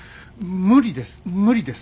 無理です無理です